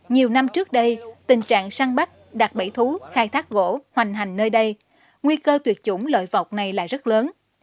nhiều năm trước đây tình trạng săn bắt đạt bảy thú khai thác gỗ hoành hành nơi đây nguy cơ tuyệt chủng loại vọc này là rất lớn